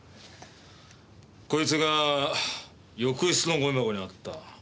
こいつが浴室のゴミ箱にあった。